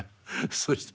そして